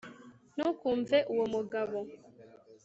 ntukumve uwo mugabo